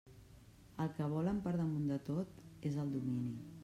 El que volen per damunt de tot és el domini.